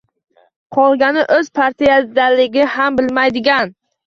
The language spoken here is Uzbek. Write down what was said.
Qolgani o‘zi partiyadaligini ham bilmaydigan